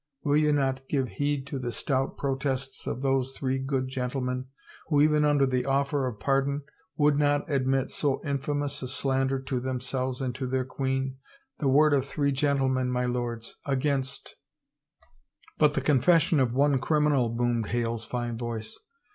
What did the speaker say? Will ye not give heed to the stout protests of those three good gentlemen, who even under the offer of pardon, would not admit so infamous a slander to themselves and to their queen? The word of three gentlemen, my lords, against —"" But the confession of one criminal," boomed Hale's fine voice.